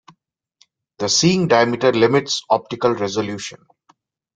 The seeing diameter limits optical resolution.